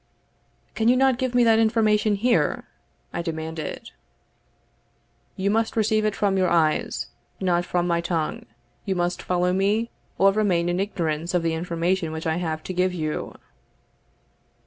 "Can you not give me that information here?" I demanded. "You must receive it from your eyes, not from my tongue you must follow me, or remain in ignorance of the information which I have to give you."